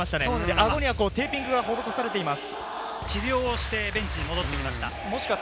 顎にはテーピングが施されています。